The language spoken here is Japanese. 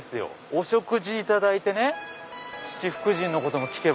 お食事いただいて七福神のことも聞けば。